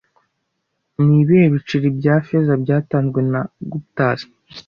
Nibihe biceri bya feza byatanzwe na Guptas